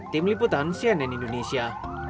tim liputan cnn indonesia